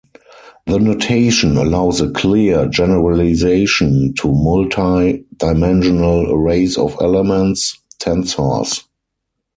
The notation allows a clear generalization to multi-dimensional arrays of elements: tensors.